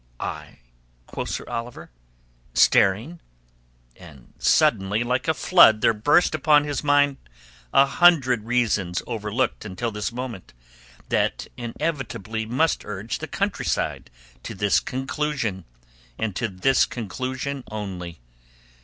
"I?" quoth Sir Oliver, staring, and suddenly like a flood there burst upon his mind a hundred reasons overlooked until this moment, that inevitably must urge the countryside to this conclusion, and to this conclusion only.